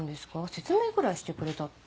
説明ぐらいしてくれたって。